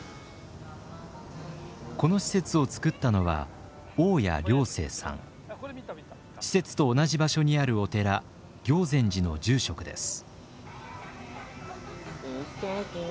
この施設をつくったのは施設と同じ場所にあるお寺行善寺の住職です。